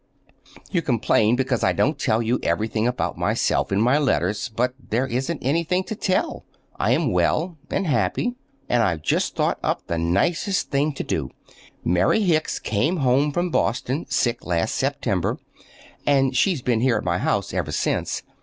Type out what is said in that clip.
You complain because I don't tell you anything about myself in my letters, but there isn't anything to tell. I am well and happy, and I've just thought up the nicest thing to do. Mary Hicks came home from Boston sick last September, and she's been here at my house ever since.